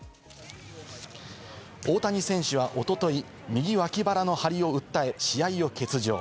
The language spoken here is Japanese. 大谷選手はおととい、右脇腹の張りを訴え、試合を欠場。